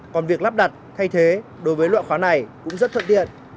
còn việc lắp đặt thay thế đối với loại khóa này cũng rất thượng tiện